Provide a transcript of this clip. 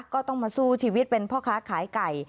ก็ต้องมาสู้ชีวิตเป็นพ่อค้าขายไก่